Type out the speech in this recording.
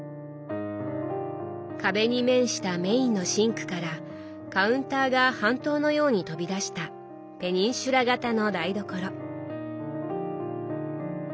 壁に面したメインのシンクからカウンターが半島のように飛び出した「ペニンシュラ」型の台所。